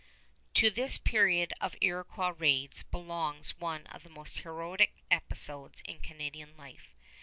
To this period of Iroquois raids belongs one of the most heroic episodes in Canadian life.